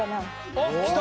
あっきた！